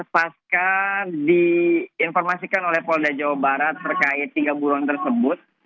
pasca diinformasikan oleh polda jawa barat terkait tiga buruan tersebut